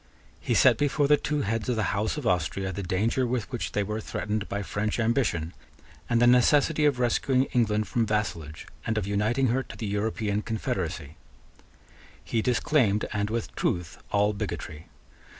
He set before the two heads of the House of Austria the danger with which they were threatened by French ambition, and the necessity of rescuing England from vassalage and of uniting her to the European confederacy. He disclaimed, and with truth, all bigotry.